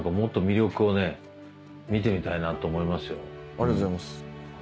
ありがとうございます。